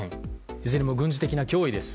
いずれも軍事的な脅威です。